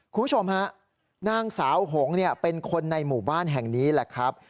คุณผู้ชมฮะนางสาวหงเป็นคนในหมู่บ้านแห่งนี้แหละครับ